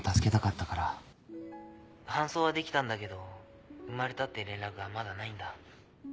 ☎搬送はできたんだけど生まれたって連絡がまだないんだ。